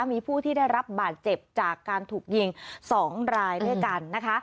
มีผู้ที่ได้รับบาดเจ็บจากการถูกยิง๒รายด้วยกันนะคะ